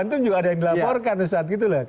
antum juga ada yang dilaporkan ustaz